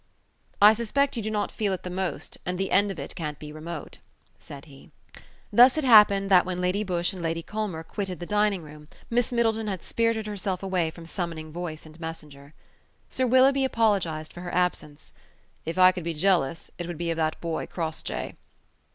"I suspect you do not feel it the most, and the end of it can't be remote," said he. Thus it happened that when Lady Busshe and Lady Culmer quitted the dining room, Miss Middleton had spirited herself away from summoning voice and messenger. Sir Willoughby apologized for her absence. "If I could be jealous, it would be of that boy Crossjay."